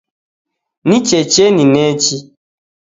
Ni checheni nechi